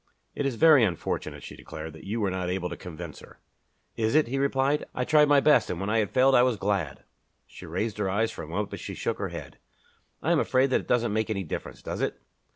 "It is very unfortunate," she declared, "that you were not able to convince her." "Is it?" he replied. "I tried my best, and when I had failed I was glad." She raised her eyes for a moment but she shook her head. "I am afraid that it doesn't make any difference, does it?